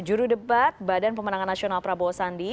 juru debat badan pemenangan nasional prabowo sandi